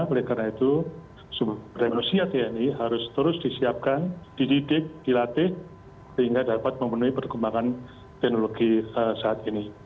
oleh karena itu sumber daya manusia tni harus terus disiapkan dididik dilatih sehingga dapat memenuhi perkembangan teknologi saat ini